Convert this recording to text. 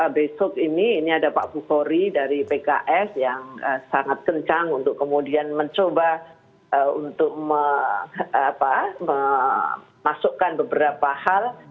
besok ini ini ada pak bukhori dari pks yang sangat kencang untuk kemudian mencoba untuk memasukkan beberapa hal